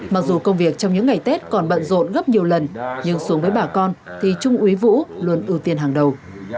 mặc dù công việc trong những ngày tết còn bận rộn gấp nhiều lần nhưng xuống với bà con thì trung úy vũ luôn ưu tiên hàng đầu